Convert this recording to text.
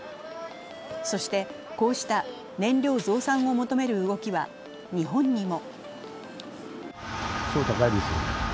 そして、こうした燃料増産を求める動きは日本にも。